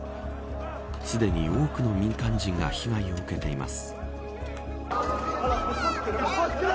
すでに多くの民間人が被害を受けています。